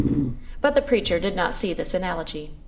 But the preacher did not see this analogy.